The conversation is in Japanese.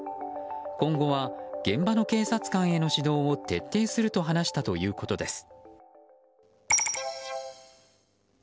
今後は、現場の警察官への指導を徹底すると話したということです。